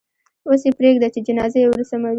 اوس یې پرېږده چې جنازه یې ورسموي.